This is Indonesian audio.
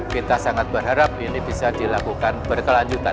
kita sangat berharap ini bisa dilakukan berkelanjutan